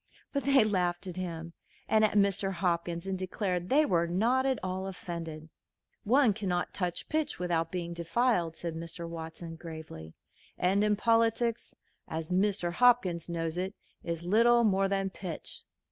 But they laughed at him and at Mr. Hopkins, and declared they were not at all offended. "One cannot touch pitch without being defiled," said Mr. Watson, gravely, "and politics, as Mr. Hopkins knows it, is little more than pitch."